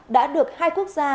đã được hai quốc gia